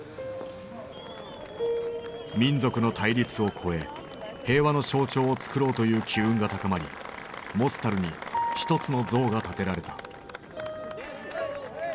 民族の対立を超え平和の象徴を作ろうという機運が高まりモスタルに一つの像が建てられた。